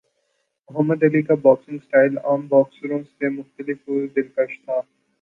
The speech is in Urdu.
محمد علی کا باکسنگ سٹائل عام باکسروں سے مختلف اور دلکش تھا۔